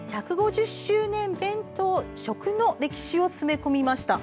１５０周年弁当食の歴史を詰め込みました。